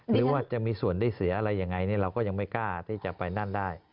หรือว่าจะมีส่วนได้เสียอะไรยังไงเราก็ยังไม่กล้าที่จะไปนั่นได้